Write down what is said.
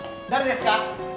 誰ですか？